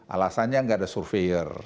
alasannya gak ada surveyor